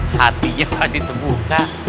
hatinya pasti terbuka